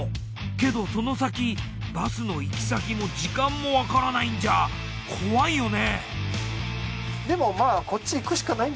けどその先バスの行き先も時間もわからないんじゃ怖いよね。